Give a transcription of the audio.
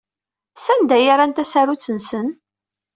Sanda ay rran tasarut-nsen?